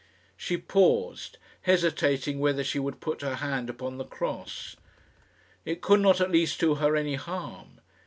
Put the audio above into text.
She paused, hesitating whether she would put her hand upon the cross. It could not at least do her any harm.